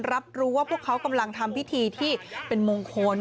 รับรู้ว่าพวกเขากำลังทำพิธีที่เป็นมงคล